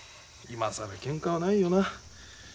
今更けんかはないよな。